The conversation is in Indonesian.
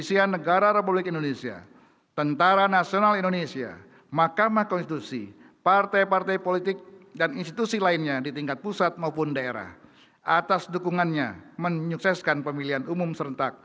yang mulia en lain chow utusan khusus presiden rakyat laos